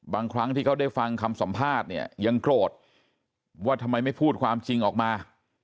บางครั้งที่เขาได้ฟังคำสัมภาษณ์เนี่ยยังโกรธว่าทำไมไม่พูดความจริงออกมา